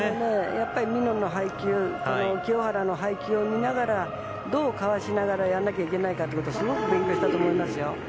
やっぱり、峰の配球清原の配球を見ながらどうかわしながらやらなきゃいけないかをすごく勉強したと思いますよ。